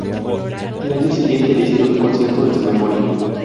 Al año siguiente, le hicieron un concierto en su memoria.